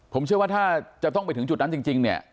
ผมเชื่อว่าถ้าจะต้องไปถึงจุดนั้นจริงเนี่ย